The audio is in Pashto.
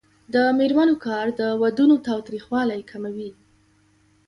د میرمنو کار د ودونو تاوتریخوالی کموي.